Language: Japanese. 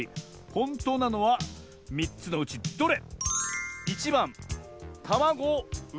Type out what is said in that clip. ほんとうなのは３つのうちどれ？